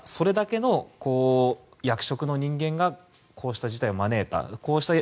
ただ、それほどの役職の人物がこうした事態を招いた。